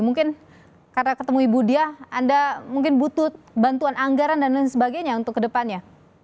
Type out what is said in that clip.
mungkin karena ketemu ibu diah anda mungkin butuh bantuan anggaran dan lain sebagainya untuk kedepannya